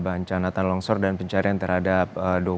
bencana tanah longsor dan pencarian terhadap